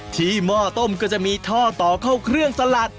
หม้อต้มก็จะมีท่อต่อเข้าเครื่องสลัด